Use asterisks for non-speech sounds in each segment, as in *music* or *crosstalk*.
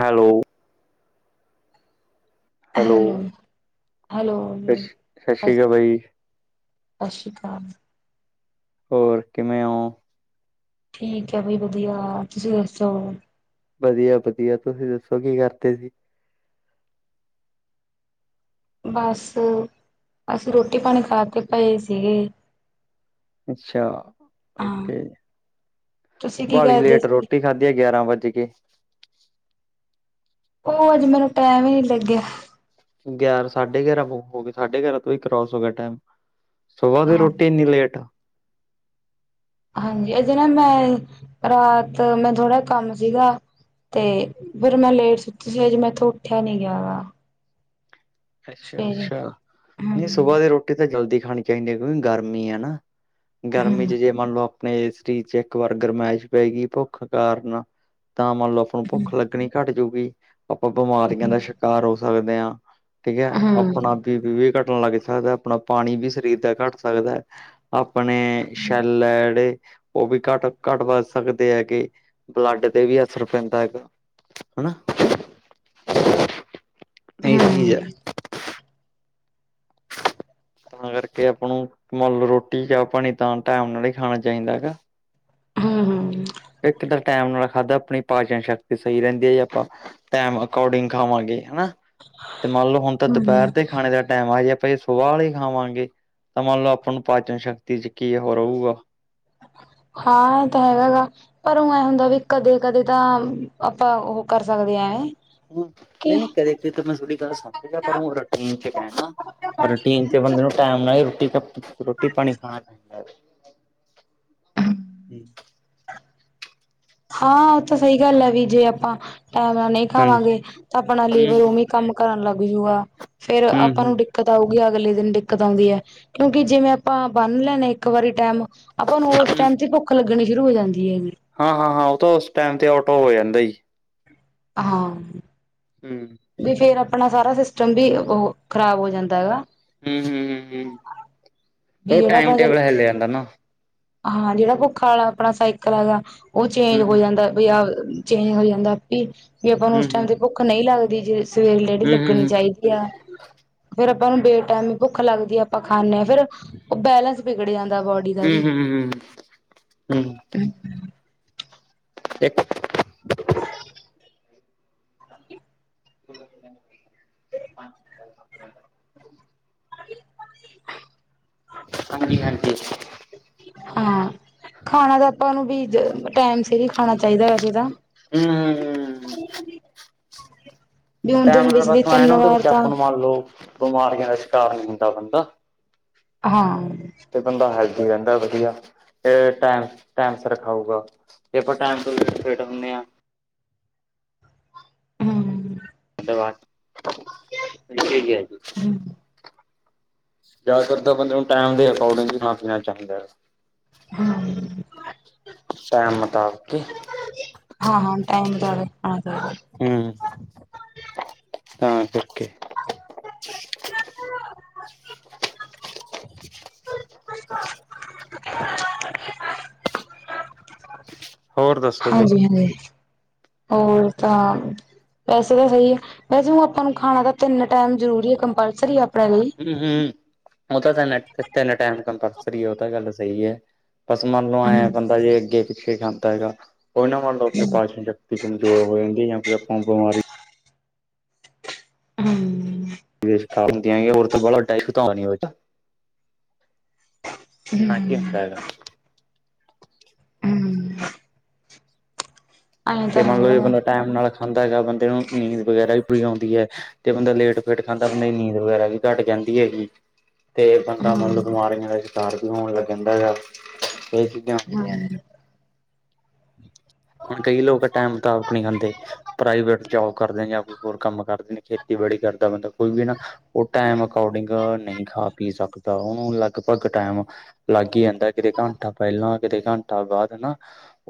Hello hello- hello ਸਸ਼ ਸਤਿ ਸ਼੍ਰੀ ਅਕਾਲ ਬਾਈ ਸਤਿ ਸ਼੍ਰੀ ਅਕਾਲ। ਹੋਰ, ਕਿਵੇਂ ਓ? ਠੀਕ ਐ ਬਈ ਵਧੀਆ, ਤੁਸੀਂ ਦੱਸੋ। ਵਧੀਆ-ਵਧੀਆ ਤੁਸੀਂ ਦੱਸੋ ਕੀ ਕਰਦੇ ਸੀ? ਬਸ, ਅਸੀਂ ਰੋਟੀ-ਪਾਣੀ ਖਾਕੇ ਪਏ ਸੀਗੇ। ਅੱਛਾ, ਹਾਂ ਓਕੇ, ਤੁਸੀਂ ਕੀ ਵਾਲੀ ਕਰਦੇ ਲੇਟ ਸੀ ਰੋਟੀ ਖਾਧੀ ਆ ਗਿਆਰਾਂ ਵੱਜ ਗੇ। ਉਹ ਅੱਜ ਮੈਨੂੰ ਟੈਮ ਈ ਨੀ ਲੱਗਿਆ। ਗਿਆਰਾਂ ਸਾਢੇ ਗਿਆਰਾਂ ਹੋ ਗਏ ਸਾਢੇ ਗਿਆਰਾਂ ਤੋਂ ਹੀ ਕਰੋਸ ਹੋ ਗਿਆ ਟਾਈਮ। ਸੁਬਾਹ ਦੀ ਹਾਂ ਰੋਟੀ ਏਨੀ ਲੇਟ। ਹਾਂਜੀ, ਅਜੇ ਨਾ ਮੈਂ, ਰਾਤ ਮੈਂ ਥੋੜ੍ਹਾ ਕੰਮ ਸੀਗਾ। ਤੇ, ਫਿਰ ਮੈਂ ਲੇਟ ਸੁੱਤੀ ਸੀ, ਅਜੇ ਮੈਥੋਂ ਉੱਠਿਆ ਨਹੀਂ ਗਿਆ ਗਾ। ਅੱਛਾ-ਅੱਛਾ, ਨਹੀਂ ਹਮ ਸੁਬਾਹ ਦੇ ਰੋਟ ਟੀ ਤਾਂ ਜਲਦੀ ਖਾਣੀ ਚਾਹੀਦੀ ਹਆ ਕਿਉਕਿ ਗਰਮੀ ਆ ਨਾ, ਗਰਮੀ ਹਮ ਚ ਜੇ ਮੰਨ ਲਓ ਆਪਣੇ ਸਰੀਰ ਚ ਇੱਕ ਵਾਰ ਗਰਮੈਸ਼ ਪੈ ਗਈ ਭੁੱਖ ਕਾਰਨ, ਤਾਂ ਮੰਨ ਲਓ ਭੁੱਖ ਲੱਗਣੀ ਘੱਟ ਜਾਉਗੀ, ਆਪਾਂ ਬਿਮਾਰੀਆਂ ਦਾ ਸ਼ਿਕਾਰ ਹੋ ਸਕਦੇ ਆਂ। ਠੀਕ ਐ ਹਮ ਆਪਣਾ ਬੀਪੀ ਵੀ ਘੱਟਣ ਲੱਗ ਸਕਦਾ, ਆਪਣਾ ਪਾਣੀ ਵੀ ਸਰੀਰ ਦਾ ਘੱਟ ਸਕਦਾ। ਆਪਣੇ ਸ਼ੈਲ ਆ ਜਿਹੜੇ ਉਹ ਵੀ ਘੱਟ, ਘੱਟ-ਵੱਧ ਸਕਦੇ ਹੈਗੇ, ਬਲੱਡ ਤੇ ਵੀ ਅਸਰ ਪੈਂਦਾ ਹੈਗਾ। ਹਨਾ? ਇਹੀ ਚੀਜ਼ ਐ। ਹਮ ਤਾਂ ਕਰਕੇ ਆਪਾਂ ਨੂੰ, ਮੰਨ ਲੋ ਰੋਟੀ ਚਾਹ-ਪਾਣੀ ਤਾਂ ਟਾਈਮ ਨਾਲ ਹੀ ਖਾਣਾ ਚਾਹੀਦਾ ਹੈਗਾ। ਹੂੰ-ਹੂੰ। ਇੱਕ ਤਾਂ ਟਾਈਮ ਨਾਲ ਖਾਧਾ ਆਪਣੀ ਪਾਚਨ ਸ਼ਕਤੀ ਸਹੀ ਰਹਿੰਦੀ ਐ ਜੇ ਆਪਾਂ ਟਾਈਮ ਅਕੋਰਡਿੰਗ ਖਾਵਾਂਗੇ ਹਨਾ, ਤੇ ਮੰਨ ਲਓ ਹੁਣ ਤਾਂ ਹਮ ਦੁਪਹਿਰ ਦੇ ਖਾਣੇ ਦਾ ਟਾਈਮ ਆ ਹਜੇ ਆਪਾ ਏਸ ਬਾਹਰ ਖਾਵਾਂਗੇ, ਤਾਂ ਮੰਨ ਲਓ ਆਪਾਂ ਪਾਚਨ-ਸ਼ਕਤੀ ਚ' ਕੀ ਉਹੋ ਰਹੂਗਾ। ਹਾਂ ਇਹ ਤਾਂ ਹੈਗਾ ਗਾ। ਪਰ ਉਹ ਇਹ ਹੁੰਦਾ ਵੀ ਕਦੇ-ਕਦੇ ਤਾਂ, ਆਪਾਂ ਉਹ ਕਰ ਸਕਦੇ ਆ ਐ। ਹੂੰ, ਨਈਂ-ਨਈਂ, ਕਦੇ-ਕਦੇ ਤਾਂ ਮੈਂ ਥੋੜੀ ਗੱਲ ਸਮਝ ਗਿਆ ਪਰ ਊ ਰੂਟੀਨ ਚ ਕਹਿਨਾ। *unintelligible* *unintelligible* ਟਾਈਮ ਨਾਲ ਰੋਟੀ, ਤ ਰੋਟੀ-ਪਾਣੀ ਖਾਣ ਨਾਲ ਹਾਂ ਉਹ ਤਾਂ ਸਹੀ ਗੱਲ ਐ ਵੀ, ਜੇ ਆਪਾਂ ਟਾਈਮ ਨਾਲ ਨਹੀਂ ਹਾਂਜੀ ਖਾਵਾਂਗੇ, ਤਾਂ ਆਪਣਾ ਲੀਵਰ ਉਵੇਂ ਹੂੰ ਕੰਮ ਕਰਨ ਲੱਗ ਜੂਗਾ, ਫੇਰ ਹੂੰ ਆਪਾਂ ਨੂੰ ਹੂੰ ਦਿਕ ਦਿੱਕਤ ਆਊਗੀ ਅਗਲੇ ਦਿਨ ਦਿੱਕਤ ਆਉਂਦੀ ਐ, ਕਿਉਂਕਿ ਜਿਵੇਂ ਆਪਾਂ ਬੰਨ ਲੈਣੇ ਆ ਇੱਕ ਵਾਰੀ ਟਾਈਮ ਆਪਾਂ ਨੂੰ ਉਸ ਟਾਈਮ ਤੇ ਭੁੱਖ ਲੱਗਣੀ ਸ਼ੁਰੂ ਹੋ ਜਾਂਦੀ ਹੈਗੀ। ਹਾਂ-ਹਾਂ-ਹਾਂ ਉਹ ਤਾਂ ਉਸ ਟਾਈਮ ਤੇ ਆਟੋ ਹੋ ਜਾਂਦਾ ਜੀ। ਹਾਂ। ਹੂੰ। ਵੀ ਫੇਰ ਆਪਣਾ ਸਾਰਾ ਸਿਸਟਮ ਵੀ ਉਹ, ਖ਼ਰਾਬ ਹੋ ਜਾਂਦਾ ਹੈਗਾ। ਹੂੰ-ਹੂੰ-ਹੂੰ-ਹੂੰ। ਵੀ ਜਿਹੜਾ ਭੋਜਨ, ਜਾਂਦਾ ਨਾ ਹਾਂ ਜਿਹੜਾ ਭੁੱਖਾ ਆਲਾ ਆਪਣਾ ਸਾਈਕਲ ਹੈਗਾ ਉਹ ਚੇਂਜ ਹੂੰ ਹੋ ਹੂੰ ਜਾਂਦਾ ਵੀ, ਅਬ ਚੇਂਜ ਹੋ ਜਾਂਦਾ ਆਪੀ, ਜੇ ਆਪਾਂ ਨੂੰ ਉਸ ਹਾਂਜੀ ਹਾਂਜੀ ਟਾਈਮ ਤੇ ਭੁੱਖ ਨਹੀਂ ਲੱਗਦੀ ਜੇ ਸਵੇਰੇ ਜਿਹੜੀ ਲੱਗਣੀ ਚਾਹੀਦੀ ਆ, ਫੇਰ ਆਪਾਂ ਨੂੰ ਬੇਟਾਇਮੀ ਭੁੱਖ ਲੱਗਦੀ ਆ ਆਪਾਂ ਖਾਨੇ ਹਾਂ ਫ਼ੇਰ ਉਹ ਬੈਲੈਂਸ ਵਿਗੜ ਜਾਂਦਾ ਬੋਡ ਹੂੰ-ਹੂੰ-ਹੂੰ। ਇੱਕ *unintelligible* *unintelligible* *unintelligible* *unintelligible* ਹਾਂਜੀ-ਹਾਂਜੀ। ਹਾਂ, ਖਾਣਾ ਤਾਂ ਆਪਾਂ ਨੂੰ ਵੀ ਅ ਟਾਈਮ ਸਿਰ ਹੀ ਖਾਣਾ ਚਾਹੀਦਾ ਵੈਸੇ ਤਾਂ। ਹੂੰ-ਹੂੰ। ਵੀ ਹੁਣ ਦਿਨ ਵਿੱਚ ਦੀ ਟਾਈਮ ਤਿੰਨ ਨਾ ਉਹਦੇ ਵਾਰ ਵਿੱਚ ਤਾਂ ਆਪਾਂ ਨੂੰ ਮੰਨ ਲਓ ਬਿਮਾਰੀਆਂ ਦਾ ਸ਼ਿਕਾਰ ਨਹੀਂ ਹੁੰਦਾ ਬੰਦਾ ਹਾਂ ਤੇ ਬੰਦਾ ਹੈਲਦੀ ਰਹਿੰਦਾ ਵਧੀਆ ਫਿਰ ਟਾਈਮ, ਟਾਈਮ ਸਿਰ ਖਾਊਗਾ ਜ ਆਪਾਂ ਟਾਈਮ ਟ ਫਿਟ ਹੁੰਦੇ ਹਾਂ ਹਮ ਅਦਾ ਬਾਦ ਜ ਹ ਜਿਆਦਾਤਰ ਬੰਦੇ ਨੂੰ ਟਾਈਮ ਦੇ ਅਕੋਰਡਿੰਗ ਹੀ ਖਾਣਾ ਪੀਣਾ ਚਾਹੀਦਾ ਹੈ ਹਮ ਸੈਮਤਾ ਹਾਂ- ਹਾਂ ਟਾਈਮਵੇ ਹਮ ਤਾਂ ਕਰਕੇ *inaudible* ਹ ਹੋਰ ਦੱਸੋ ਬਈ ਹਾਂਜੀ ਹਾਂਜੀ ਹੋਰ ਤਾਂ ਵੈਸੇ ਤਾਂ ਸਹੀ ਹੈ ਵੈਸੇ ਹੁ ਆਪਾਂ ਨੂੰ ਖਾਣਾ ਤਾਂ ਤਿੰਨ ਟਾਈਮ ਜ਼ਰੂਰੀ ਹੈ ਕੰਪਲਸਰੀ ਆਪਣੇ ਲਈ ਹਮ ਹਮ ਉਹ ਤਾਂ ਤੈਨ ਤਿੰਨ ਟਾਈਮ ਕੰਪਲਸ ਹੈ ਉਹ ਤਾਂ ਗੱਲ ਸਹੀ ਹੈ ਬਸ ਮੰਨ ਲਓ ਐਏਂ ਹੂੰ ਬੰਦਾ ਜੇ ਅੱਗੇ ਪਿੱਛੇ ਖਾਂਦਾ ਹੈਗਾ ਕੋਈ ਨਾ ਮੰਨ ਲਓ ਆਪਣੇ ਪਾਸ਼ ਨੂੰ ਕਮਜ਼ੋਰ ਹੋ ਜਾਂਦੀ ਜਾਂ ਕੋਈ ਆਪਾਂ ਬਿਮਾਰੀ ਹਮ ਹੋਰ ਤਾਂ ਬਾ ਵੱਡਾ ਤਾਂ ਨੀ ਹੋ ਇਨਾ ਕੀ ਹੁੰਦਾ ਹੈਗਾ। ਹਮ ਕਿ ਮੰਨਲਓ ਹੈਗਾ ਜ ਵਾ। ਬੰਦਾ ਟਾਈਮ ਨਾਲ ਖਾਂਦਾ ਹੈਗਾ ਬੰਦੇ ਨੂੰ ਨੀਂਦ ਵਗੈਰਾ ਵੀ ਪੂਰੀ ਆਉਂਦੀ ਹੈ ਤੇ ਬੰਦਾ ਲੇਟ ਫੇਟ ਖਾਂਦਾ ਬੰਦਾ ਦੀ ਨੀਂਦ ਵਗੈਰਾ ਵੀ ਘੱਟ ਜਾਂਦੀ ਹੈਗੀ ਤੇ ਬੰਦਾ ਮੰਤਬ ਹੂੰ ਬਿਮਾਰੀਆਂ ਦਾ ਸ਼ਿਕਾਰ ਵੀ ਹੋਣ ਲੱਗ ਜਾਂਦਾ ਹੈਾ ਇਹ ਚੀਜ਼ਾਂ ਹੁੰਦੀਆਂ ਨੇ ਹੂੰ ਹੁਣ ਕਈ ਲੋਕ ਟਾਈਮ ਮੁਤਾਬਕ ਨਹੀਂ ਖਾਂਦੇ ਪ੍ਰਾਈਵੇਟ ਜੋਬ ਕਰਦੇ ਨੇ ਜਾਂ ਕੋਈ ਹੋਰ ਕੰਮ ਕਰਦੇ ਨੇ ਖੇਤੀ ਖੇਤੀਬਾੜੀ ਕਰਦਾ ਬੰਦਾ ਕੋਈ ਵੀ ਨਾ ਉਹ ਟੈਮ ਅਕੋਡਿੰਗ ਨਹੀਂ ਖਾ ਪੀ ਸਕਦਾ ਤਾਂ ਉਹਨੂੰ ਲਗਭਗ ਟਾਈਮ ਲੱਗ ਹੀ ਜਾਂਦਾ ਕਿਤੇ ਘੰਟਾ ਪਹਿਲਾਂ ਅਧੇ ਘੰਟਾ ਬਾਅਦ ਨਾ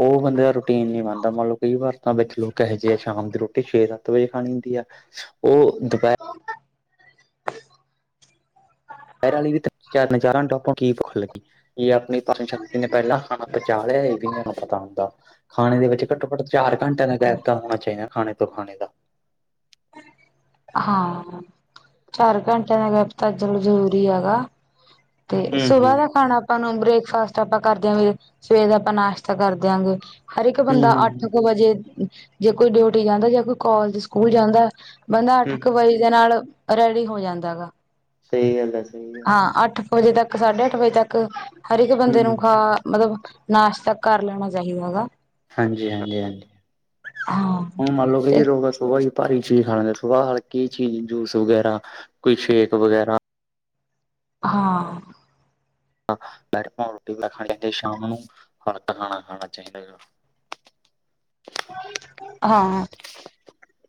ਉਹ ਬੰਦੇ ਦਾ ਰੂਟੀਨ ਨਹੀਂ ਬਣਦਾ ਮੰਨ ਲਓ ਕਈ ਵਾਰ ਤਾਂ ਵਿੱਚ ਲੋਕ ਇਹੋ ਜਿਹੇ ਆ ਸ਼ਾਮ ਦੀ ਰੋਟੀ ਛੇ ਸੱਤ ਵਜੇ ਖਾਣੀ ਹੁੰਦੀ ਆ ਉਹ ਦੁਪਹਿਰ ਸ਼ਹਿਰ ਵਾਲੀ ਵੀ ਨਜ਼ਾਰਾਂ ਨੂੰ ਟੋਪੋ ਕੀ ਭੁੱਖ ਲੱਗੀ ਜ ਆਪਣੀ ਸ਼ਕਤੀ ਨੇ ਪਹਿਲਾਂ ਖਾਣਾ ਪਹੁੰਚਾ ਲਿਆ ਇਹ ਵੀ ਨ ਪਤਾ ਹੁੰਦਾ ਖਾਣੇ ਦੇ ਵਿੱਚ ਘੱਟੋ ਘੱਟ ਚਾਰ ਘੰਟੇ ਦਾ ਗੈਪ ਤਾਂ ਹੋਣਾ ਚਾਹੀਦਾ ਖਾਣੇ ਤੋਂ ਖਾਣੇ ਦਾ ਹਾਂ ਚਾਰ ਘੰਟਿਆਂ ਦਾ ਗ ਤਾਂ ਚਲ ਜ਼ਰੂਰੀ ਹੈਗਾ ਤੇ ਸੁਬਾਹ ਦਾ ਖਾਣਾ ਆਪਾਂ ਨੂੰ ਬ੍ਰੇਕਫਾਸਟ ਆਪਾਂ ਕਰਦੇਿਆਂਗੇ ਸਵੇਰ ਦਾ ਆਪਾਂ ਨਾਸ਼ਤਾ ਕਰ ਦਿਆਂਗੇ ਹਰ ਇੱਕ ਬੰਦਾ ਅੱਠ ਕੁ ਹੂੰ-ਹੂੰ-ਹੂੰ-ਹੂੰ-ਹੂੰ ਵਜੇ ਜੇ ਕੋਈ ਡਿਊਟੀ ਜਾਂਦਾ ਜਾਂ ਕੋਈ ਕੋਾਲਜ ਸਕੂਲ ਜਾਂਦਾ ਬੰਦਾ ਅੱਠ ਕੁ ਵਜੇ ਦੇ ਨਾਲ ਰੈਡੀ ਹੋ ਜਾਂਦਾ ਗਾ ਸਹੀ ਗੱਲ ਐ, ਸਹੀ ਗੱਲ ਐ। ਹਾਂ ਅੱਠ ਵਜੇ ਤੱਕ ਸਾਢੇ ਅੱਠ ਵਜੇ ਤੱਕ ਹਰ ਇੱਕ ਬੰਦੇ ਨੂੰ ਹੂੰ, ਖਾ ਮਤਲਬ ਨਾਸ਼ਤਾ ਕਰ ਲੈਣਾ ਚਾਹੀਦਾ ਹੈਗਾ ਹਾਂਜੀ ਹਾਂਜੀ ਹਾਂਜੀ ਹਾਂ ਹੁਣ ਮੰਨ ਲਓ ਤੇ ਕਹੀ ਰੋ ਸੁਬ ਹੀ ਭਾਰੀ ਚੀਜ਼ ਖਾ ਲੈਂਦੇ ਸੁਬਾਹ ਹ ਕੀ ਚੀਜ਼ ਜੂਸ ਵਗੈਰਾ ਕੋਈ ਸ਼ੇਕ ਵਗੈਰਾ ਹਾਂ ਹਿ ਰੋਟੀ ਬ ਖਾਣੀ ਚਾਹੀਦੀ ਹੈ ਸ਼ਾਮ ਨੂੰ ਹਲਕਾ ਖਾਣਾ ਖਾਣਾ ਚਾਹੀਦਾ ਹੈ ਹਾਂ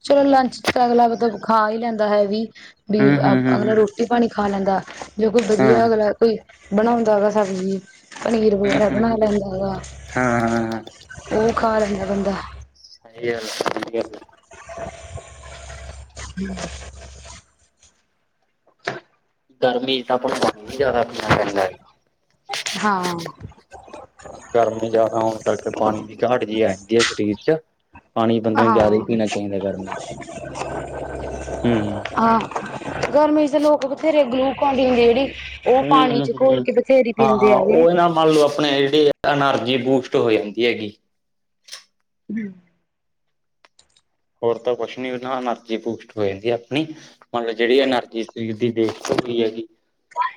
ਚਲੋ ਲੰਚ ਤਾਂ ਅਗਲਾ ਮਤਲਬ ਖਾ ਹੀ ਲੈਂਦਾ ਹੈ ਵੀ ਬ ਅਗਲਾ ਰੋਟੀ ਹੂੰ-ਹੂੰ-ਹੂੰ-ਹੂੰ, ਰੋਟੀ ਪਾਣੀ ਖਾ ਲੈਂਦਾ ਜੋ ਕੋਈ ਹਾਂ, ਵਧੀਆ ਅਗਲਾ ਕੋਈ ਬਣਾਉਂਦਾ ਹੈਾ ਸਬਜ਼ੀ ਪਨੀਰ ਵਗੈਰਾ ਬਣਾ ਹੂੰ-ਹੂੰ-ਹੂੰ, ਲੈਂਦਾ ਹੈਗਾ ਹਾਂ-ਹਾਂ-ਹਾਂ। ਉਹ ਖਾ ਲੈਂਦਾ ਬੰਦਾ ਸਹੀ ਗੱਲ ਠੀ ਗੱਲ ਹਮ ਗਰਮੀ ਤਾਂ ਆਪਾਂ ਨੂੰ ਪਾਣੀ ਹੀ ਜਿਆਦਾ ਪੀਣਾ ਪੈਂਦਾ ਹੈ ਹਾਂ ਗਰਮੀ ਜ਼ਿਆਦਾ ਹਣ ਤੱਕ ਪਾਣੀ ਦੀ ਘਾਟ ਜਿਹੀ ਆ ਜਾਂਦੀ ਹੈ ਸਰੀਰ ਚ ਪਾਣੀ ਬੰਦੇ ਨੂੰ ਜ਼ਿਆਦਾ ਹੀ ਆਹੋ ਪੀਣਾ ਚਾਹੀਦਾ ਗਰਮੀ ਚ, ਹੂੰ। ਆਹ ਗਰਮੀ ਚ ਲੋਕ ਬਥੇਰੇ ਗਲੂਕ ਡਦੇ ਜਿਹੜੀ ਉਹ ਪਾਣੀ ਚ ਘੋਲ ਹੂੰ-ਹੂੰ-ਹੂੰ, ਕੇ ਬਥੇਰੀ ਪੀਂਦੇ ਹਾਂ-ਹਾਂ ਹੈਗੇ ਉਹ ਨਾ ਮੰਨ ਲਓ ਆਪਣੇ ਜਿਹੜੀ ਐਨਰਜੀ ਬੂਸਟ ਹੋ ਜਾਂਦੀ ਹੈਗੀ ਹ ਹੋਰ ਤਾਂ ਕੁਛ ਨੀ ਉਹ ਨਾ ਅਨਰਜੀ ਬੁਸਟ ਹੋ ਜਾਂਦੀ ਆਪਣੀ ਮਤਲਬ ਜਿਹੜੀ ਐਨਰਜੀ ਸਰੀਰ ਦੀ ਦੇਖ ਸਕਦੀ ਐ ਜੀ।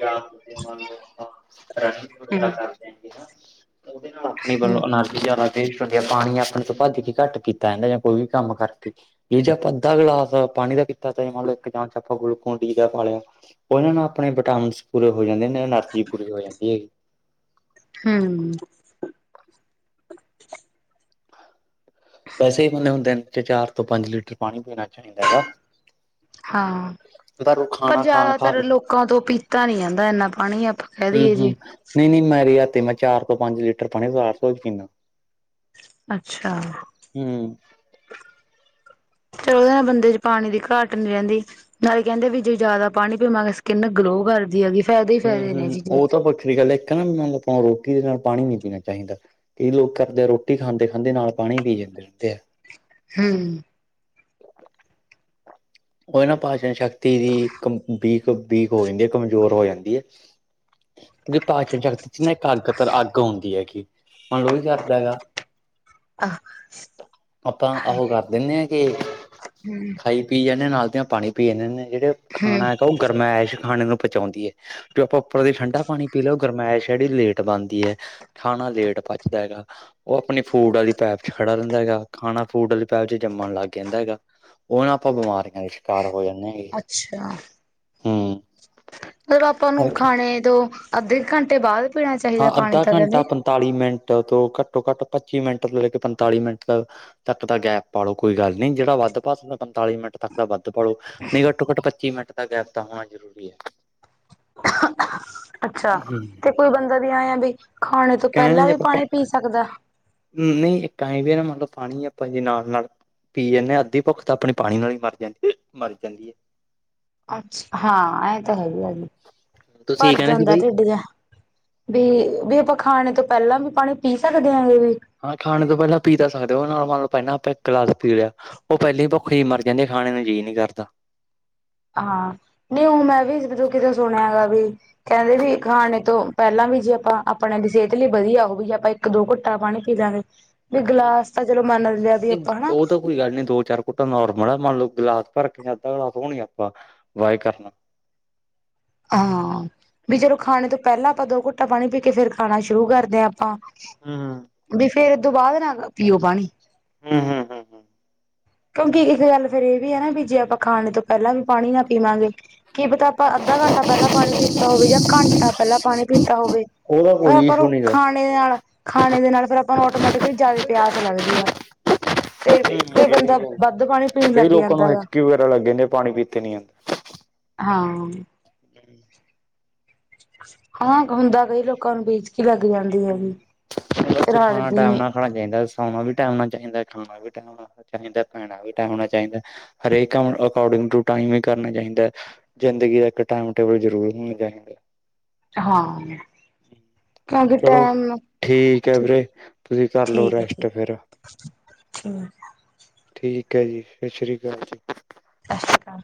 ਜਾਂ ਤੁਸੀਂ ਮੰਨ ਲੈ, ਆਪਾਂ ਰਨਿੰਗ ਵਗੈਰਾ ਹਮ ਕਰਦੇ ਹੈਗੇ ਹਨਾ ਉਹਦੇ ਨਾਲ ਆਪਣੀ ਹੂੰ, ਵੱਲੋਂ ਅਨਰਜ਼ ਜ਼ਿਆਦਾ ਵੇਸਟ ਹੁੰਦੀ ਆ। ਪਾਣੀ ਆਪਣੇ ਤੋਂ ਭੱਜ ਕੇ ਘੱਟ ਕੀਤਾ ਕਹਿੰਦਾ ਜਾਂ ਕੋਈ ਵੀ ਕੰਮ ਕਰ ਇਹ ਜੇ ਆਪਾਂ ਅੱਧਾ ਗਲਾਸ ਪਾਣੀ ਦਾ ਪੀਤਾਂ ਤਾਂ ਮੰਨ ਲੋ ਇੱਕ ਗਿਲਾਸ ਚ ਆਪਾਂ ਗੁਲਕੁ ਡੀ ਦਾ ਪਾ ਲਿਆ। ਉਹਨਾਂ ਨੂੰ ਆਪਣੇ ਵਿਟਾਮਿਨਸ ਪੂਰੇ ਹੋ ਜਾਂਦੇ, ਐਨਰਜੀ ਪੂਰੀ ਹੋ ਜਾਂਦੀ ਹੈਗੀ। ਹਮ। ਵੈਸੇ ਹੀ ਬੰਨਦੇ ਹੁਣ ਦਿਨ ਚ ਚਾਰ ਤੋਂ ਪੰਜ ਲੀਟਰ ਪਾਣੀ ਪੀਣਾ ਚਾਹੀਦਾ ਹੈਗਾ। ਹਾਂ, ਪਰ ਖਾਣਾ ਖਾਣ ਖਾ ਜ਼ਿਆਦਾਤਰ ਲੋਕਾਂ ਤੋਂ ਪੀਤਾ ਨੀ ਜਾਂਦਾ ਇੰਨਾ ਪਾਣੀ ਕਹਿ ਦਈਏ ਜੇ। ਹੂੰ-ਹੂੰ, ਨਹੀਂ-ਨਹੀਂ ਮੇਰੀ ਰਾਤੀ ਮੈਂ ਚਾਰ ਤੋਂ ਪੰਜ ਲੀਟਰ ਪਾਣੀ ਹਰ ਰੋਜ਼ ਪਿਣਾ। ਅੱਛਾ। ਹਮ। ਚਲੋ ਉਹਦੇ ਨਾਲ ਬੰਦੇ ਚ ਪਾਣੀ ਦੀ ਘਾਟ ਨੀ ਰਹਿੰਦੀ। ਨਾਲੇ ਕਹਿੰਦੇ ਵੀ ਜੇ ਜ਼ਿਆਦਾ ਪਾਣੀ ਪੀਵਾਂਗੇ ਸਕਿੰਨ ਗਲੋ ਕਰਦੀ ਹੈਗੀ। ਫਾਇਦੇ ਹੀ ਹਮ ਫਾਇਦੇ ਨੇ ਇਹ ਹਮ, ਚੀਜ਼ਾਂ ਉਹ ਦੇ। ਤਾਂ ਵੱਖਰੀ ਗੱਲ ਏ ਇੱਕ ਨਾ ਮ ਮਤਲਬ ਆਪਾਂ ਰੋਟੀ ਦੇ ਨਾਲ ਪਾਣੀ ਨੀ ਪੀਣਾ ਚਾਹੀਦਾ। ਕਈ ਲੋਕ ਕਰਦੇ ਆ ਰੋਟੀ ਖਾਂਦੇ-ਖਾਂਦੇ ਨਾਲ ਪਾਣੀ ਪੀ ਜਾਂਦੇ ਰਹਿੰਦੇ ਆ। ਹੂੰ। *inaudible* ਉਹ ਨਾ ਭਾਸ਼ਣ ਸ਼ਕਤੀ ਦੀ ਬਕ ਬੀਕ ਹੋ ਜਾਂਦੀ ਏ, ਕਮਜ਼ੋਰ ਹੋ ਜਾਂਦੀ ਐ। ਵੀ ਪਾਚਨ ਸ਼ਕਤੀ ਚ ਨਾ ਇੱਕ ਅੱਗ ਤਰ੍ਹਾਂ, ਅੱਗ ਆਉਂਦੀ ਹੈਗੀ। ਮੰਨ ਲੋ ਉਹੀ ਕਰਦਾ ਹੈਗਾ। ਆਪਾਂ ਆਹੋ ਕਰ ਦਿੰਦੇ ਹਾਂ ਕਿ ਹੂੰ, ਖਾਈ ਪੀ ਜਾਂਦੇ ਹਾਂ ਨਾਲ ਦੀਆਂ ਪਾਣੀ ਪੀ ਜਾਂਦੇ ਹਦੇ, ਜਿਹੜੇ ਹੂੰ, ਖਾਣਾ ਹੈਗਾ ਉਹ ਗਰਮੈਸ ਖਾਣੇ ਨੂੰ ਪੁੰਚਾਉਂਦੀ ਐ। ਜੋ ਆਪਾਂ ਉੱਪਰ ਦੀ ਠੰਡਾ ਪਾਣੀ ਪੀ ਲਓ, ਗਰਮੈਸ ਜਿਹੜੀ ਲੇਟ ਬਣਦੀ ਏ, ਖਾਣਾ ਲੇਟ ਪਚਦਾ ਹੈਗਾ। ਉਹ ਆਪਣੀ ਫੂਡ ਵਾਲੀ ਪੈਪ ਚ ਖੜਾ ਰਹਿੰਦਾ ਹੈਗਾ, ਖਾਣਾ ਫੂਡ ਵਾਲੀ ਪੈਪ ਚ ਜੰਮਣ ਲੱਗ ਜਾਂਦਾ ਹੈਗਾ। ਉਹ ਨਾ ਆਪਾਂ ਬਿਮਾਰੀਆਂ ਦਾ ਸ਼ਿਕਾਰ ਹੋ ਜਾਂਣੇ ਆ। ਅੱਛਾ। ਹੂੰ। ਮਤਲਬ ਆਪਾਂ ਨੂੰ ਕਰਕੇ ਖਾਣੇ ਤੋਂ ਅੱਧੇ ਘੰਟੇ ਬਾਅਦ ਪੀਣਾ ਹਾਂ ਚਾਹੀਦਾ ਪਾਣੀ ਅੱਧਾ ਤਾਂ ਘੰਟਾ ਕਹਿੰਦੇ ਪੰਤਾਲੀ ਮਿੰਟ ਤੋਂ ਘੱਟੋ ਘੱਟ ਪੱਚੀ ਮਿੰਟ ਤੋਂ ਲੈ ਕੇ ਪੰਤਾਲੀ ਮਿੰਟ ਤੱਕ ਦਾ ਗੈਪ ਪਾਲੋ ਕੋਈ ਗੱਲ ਨੀ, ਜਿਹੜਾ ਵੱਧ ਪਾ ਸਕਦਾ ਪੰਤਾਲੀ ਮਿੰਟ ਤੱਕ ਦਾ ਵੱਧ ਪਾ ਲੋ। ਨਈ ਘੱਟੋ-ਘੱਟ ਪੱਚੀ ਮਿੰਟ ਦਾ ਗੈਪ ਤਾਂ ਹੋਣਾ ਜ਼ਰੂਰੀ ਐ। ਅੱਛਾ, ਤੇ ਕੋਈ ਬੰਦਾ ਦੀ ਆ ਆ ਬ ਖਾਣੇ ਤੋਂ ਕਹਿਣ ਪਹਿਲਾਂ ਜੇ ਵੀ ਆਪਾਂ ਪਾਣੀ ਪੀ ਸਕਦਾ। ਨਹੀਂ ਇੱਕ ਇਵੀ ਮੰਨ ਲਓ ਪਾਣੀ ਏ ਆਪਾਂ ਜੇ ਨਾਲ-ਨਾਲ ਪੀ ਜਾਂਦੇ ਆ, ਅੱਧੀ ਭੁੱਖ ਤਾਂ ਆਪਣੀ ਪਾਣੀ ਨਾਲ ਹੀ ਮਰ ਜਾਂਦੀ, ਮਰ ਜਾਂਦੀ ਐ। ਅੱਛ, ਹਾਂ ਇਹ ਤਾਂ ਹੈਗੀ ਜੀ ਤੁਸੀਂ ਭਰ ਕਹਿੰਦੇ ਸੀ ਜਾਂਦਾ ਬਈ ਢਿੱਡ ਜਿਹਾ ਵੀ ਵੀ ਆਪਾਂ ਖਾਣੇ ਤੋਂ ਪਹਿਲਾਂ ਵੀ ਪਾਣੀ ਪੀ ਸਕਦੇ ਵੀ ਹਾਂ ਖਾਣ ਤੋਂ ਪਹਿਲਾਂ ਪੀ ਤਾਂ ਸਕਦੇ ਹੋ, ਉਹ ਨਾਲ ਮੰਨ ਲਓ ਪਹਿਲਾਂ ਆਪਾਂ ਇੱਕ ਗਲਾਸ ਪੀ ਲਿਆ। ਉਹ ਪਹਿਲੀ ਭੁੱਖੇ ਹੀ ਮਰ ਜਾਂਦੇ, ਖਾਣੇ ਨੂੰ ਜੀਅ ਨੀ ਕਰਦਾ। ਹਾਂ, ਨਹੀਂ ਉਹ ਮੈਂ ਵੀ ਤੂੰ ਕਿਤੇ ਸੁਣਿਆ ਹੈਗਾ ਵੀ। ਕਹਿੰਦੇ ਵੀ ਖਾਣੇ ਤੋਂ ਪਹਿਲਾਂ ਵੀ ਜੇ ਆਪਾਂ ਆਪਣੇ ਦੀ ਸਿਹਤ ਲਈ ਵਧੀਆ ਉਹ ਵੀ ਆਪਾਂ। ਇੱਕ-ਦੋ ਘੁੱਟਾ ਪਾਣੀ ਪੀ ਲਾਂਗੇ, ਵੀ ਗਿਲਾਸ ਤਾਂ ਚਲੋ ਮੰਨ ਲਿਆ ਦੀ ਨਹੀਂ ਆਪਾਂ ਹਨਾ। ਉਹ ਤਾਂ ਕੋਈ ਗੱਲ ਨੀ ਦੋ-ਚਾਰ ਕੁਟਾ ਨੋਰਮਲ ਆ, ਮੰਨ ਲਓ ਗਿਲਾਸ ਭਰ ਕੇ ਅੱਧਾ ਗਲਾਸ‌ ਨੀ ਆਪਾਂ ਵਾਏ ਕਰਨਾ। ਹਾਂ ਵੀ ਜਦੋ ਖਾਣੇ ਤੋਂ ਪਹਿਲਾਂ ਆਪਾਂ ਦੋ ਘੁੱਟਾ ਪਾਣੀ ਪੀ ਕੇ ਫਿਰ ਖਾਣਾ ਸ਼ੁਰੂ ਕਰਦੇ ਹਾਂ ਆਪਾਂ। ਹੂੰ ਵੀ ਫੇਰ ਇਹ ਤੋਂ ਬਾਅਦ ਨਾ ਪੀਓ ਪਾਣੀ। ਹੂੰ-ਹੂੰ- ਹੂੰ-ਹੂੰ। ਕਿਉਂਕਿ ਇੱਕ ਗੱਲ ਫੇਰ ਇਹ ਵੀ ਹੈ ਨਾ ਵੀ ਜੇ ਆਪਾਂ ਖਾਣੇ ਤੋਂ, ਪਹਿਲਾਂ ਵੀ ਪਾਣੀ ਨਾ ਪੀਵਾਂਗੇ ਕੀ ਪਤਾ। ਆਪਾਂ ਅੱਧਾ ਘੰਟਾ ਘੰਟਾ ਪਹਿਲਾਂ ਪਾਣੀ ਪੀਤਾ ਹੋਵੇ ਜਾਂ ਘੰਟਾ ਪਹਿਲਾਂ ਪਾਣੀ ਪੀਤਾ ਹੋਵੇ ਉਹਦਾ ਫ ਕੋਈ ਆਪਾਂ ਇਸ਼ੂ ਨੂੰ ਨੀ ਗਾ ਖਾਣਾ। ਣੇ ਨਾਲ, ਖਾਣੇ ਦੇ ਨਾਲ ਫਿਰ ਆਪਾਂ ਨੂੰ ਆਟੋਮੈਟਿਕਲੀ ਜਿਆਦਾ ਪਿਆਸ ਲੱਗਦੀ ਆ। ਤੇ ਫਿਰ ਬੰਦਾ ਵੱਧ ਪਾਣੀ ਪੀਣ ਕਈ ਲੱਗ ਲੋਕਾਂ ਜਾਂਦਾ ਨੂੰ ਹੈਗਾ। ਹਿਚਕੀ ਵਗੈਰਾ ਲੱਗ ਜਾਂਦੀ ਪਾਣੀ ਪੀਤੇ ਨੀ ਹਾਂ। *unintelligible* ਹਾਂ, ਹੁੰਦਾ ਕਈ ਲੋਕਾਂ ਨੂੰ ਵੀ ਹਿਜਕੀ ਲੱਗ ਜਾਂਦੀ ਆਂਦਾ ਹੈਗੀ ਫਿਰ ਬਸ ਖਾਣਾ ਹੱਟਦੀ ਟਾਈਮ ਨੀ। ਨਾਲ ਖਾਣਾ ਚਾਹੀਦਾ, ਸੌਣਾ ਵੀ ਟਾਈਮ ਨਾ ਚਾਹੀਦਾ ਖਾਣਾ ਵੀ ਟਾਈਮ। ਚਾਹੀਦਾ ਭੈਣਾ ਵੀ ਟਾਈਮ ਹੋਣਾ ਚਾਹੀਦਾ ਹਰੇਕ ਕੰਮ ਅਕੋਰਡਿੰਗ ਟੂ ਟਾਈਮ ਵੀ ਕਰਨਾ ਚਾਹੀਦਾ। ਜ਼ਿੰਦਗੀ ਦਾ ਇੱਕ ਟਾਈਮ ਟੇਬਲ ਜ਼ਰੂਰ ਹੋਣਾ ਚਾਹੀਦਾ। ਹਾਂ, ਕਿਉਂਕਿ ਚਲੋ ਟੈਮ ਹੈ ਠੀਕ ਵੀਰੇ, ਤੁਸੀਂ ਕਰ ਲਓ ਆ ਰੈਸਟ ਠੀਕ। ਫਿਰ ਠੀਕ ਐ। ਠੀਕ ਐ ਜੀ, ਸਤਿ ਸ਼੍ਰੀ ਅਕਾਲ ਜੀ ਸਤਿ ਸ਼੍ਰੀ ਅਕਾਲ।